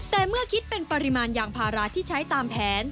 แต่เมื่อคิดเป็นปริมาณยางพาราที่ใช้ตามแผน